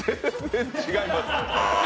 全然違います。